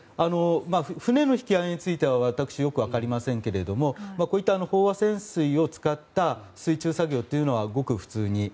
船の引き揚げについては私はよく分かりませんがこういった飽和潜水を使った水中作業というのはごく普通に。